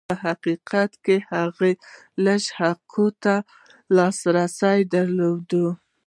په حقیقت کې هغوی لږو حقوقو ته لاسرسی درلود.